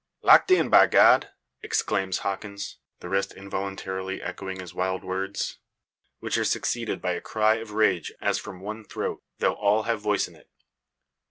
"Locked in, by God!" exclaims Hawkins, the rest involuntarily echoing his wild words; which are succeeded by a cry of rage as from one throat, though all have voice in it.